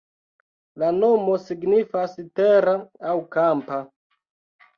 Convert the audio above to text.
La nomo signifas tera aŭ kampa.